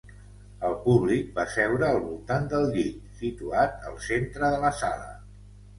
El públic va seure al voltant del llit, situat al centre de la sala.